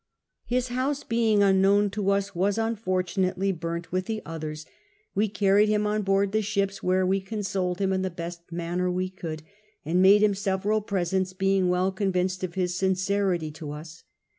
His i68 CAPTAIN COOK CRAP. house, being unknown to us, was unfortunately burnt with the others : we carried him on boartl the ships, where we consoled him in the best manner we could, and made him several presents, being well convinced of his sincerity to us.